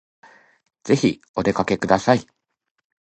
ぜひお出かけください